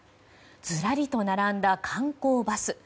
ずらりと並んだ観光バス。